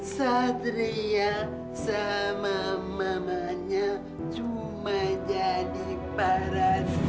satria sama mamanya cuma jadi paras